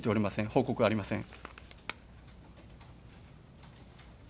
報告はありません。